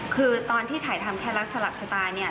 คือตอนที่ถ่ายทำแคล็กสลับชะตาเนี่ย